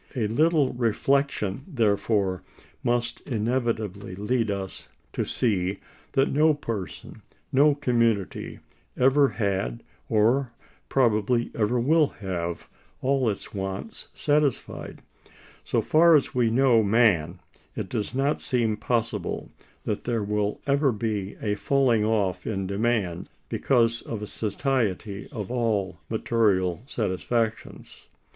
A little reflection, therefore, must inevitably lead us to see that no person, no community, ever had, or probably ever will have, all its wants satisfied. So far as we know man, it does not seem possible that there will ever be a falling off in demand, because of a satiety of all material satisfactions.